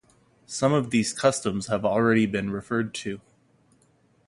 Some of these customs have already been referred to.